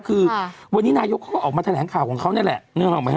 คือวันนี้นายกเขาก็ออกมาแถลงข่าวของเขานี่แหละนึกออกไหมฮ